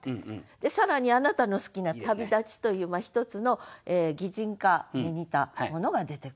で更にあなたの好きな「旅立ち」という一つの擬人化に似たものが出てくる。